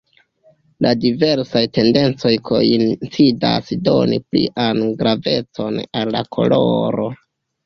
La diversaj tendencoj koincidas doni plian gravecon al la koloro.